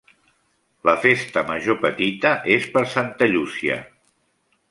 La festa major petita és per Santa Llúcia.